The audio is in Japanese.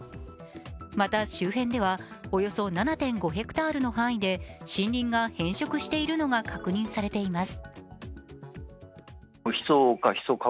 また周辺ではおよそ７．５ｈａの範囲で森林が変色しているのが確認されています。